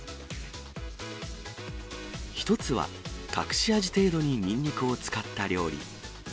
１つは、隠し味程度にニンニクを使った料理。